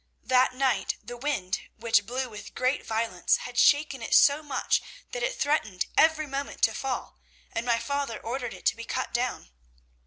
That night the wind, which blew with great violence, had shaken it so much that it threatened every moment to fall, and my father ordered it to be cut down.